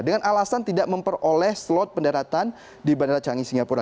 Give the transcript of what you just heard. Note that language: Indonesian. dengan alasan tidak memperoleh slot pendaratan di bandara canggih singapura